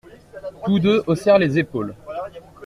Tous deux haussèrent les épaules.